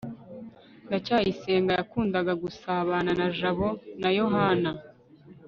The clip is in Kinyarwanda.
ndacyayisenga yakundaga gusabana na jabo na yohana